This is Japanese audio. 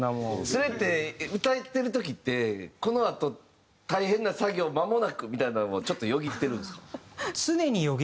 それって歌ってる時ってこのあと大変な作業まもなくみたいなのはちょっとよぎってるんですか？